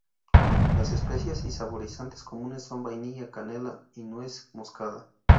Las especias y saborizantes comunes son vanilla, canela y nuez moscada.